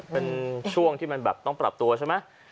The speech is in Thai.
เป็นช่วงที่มันแบบต้องปรับตัวใช่ไหม